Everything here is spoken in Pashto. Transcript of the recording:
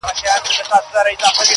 د کوترو د چوغکو فریادونه!!